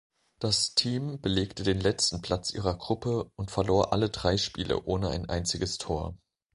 Das Team belegte den letzten Platz ihrer Gruppe und verlor alle drei Spiele ohne ein einziges Tor.